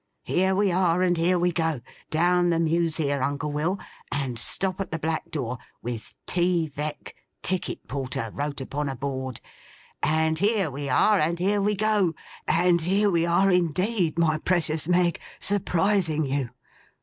Here we are and here we go! Down the Mews here, Uncle Will, and stop at the black door, with "T. Veck, Ticket Porter," wrote upon a board; and here we are and here we go, and here we are indeed, my precious. Meg, surprising you!